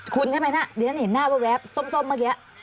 คุณใช่ไหมนะดิฉันเห็นหน้าแวบส้มเมื่อกี้